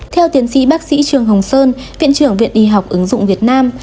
theo tiến sĩ bác sĩ trường hồng sơn viện trưởng viện y học ứng dụng việt nam